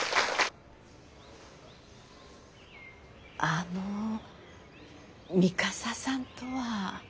あの三笠さんとは。